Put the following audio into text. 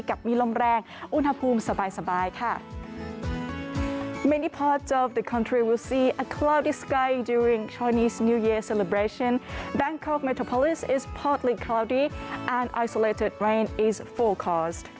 กับมีลมแรงอุณหภูมิสบายค่ะ